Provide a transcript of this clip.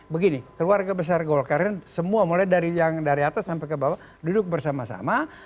begini keluarga besar golkar ini semua mulai dari yang dari atas sampai ke bawah duduk bersama sama